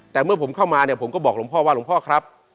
แต่เมื่อผมเข้ามาเนี่ยผมก็บอกหลวงพ่อว่าหลวงพ่อครับ